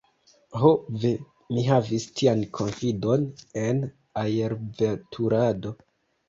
Ho ve! mi havis tian konfidon en aerveturado.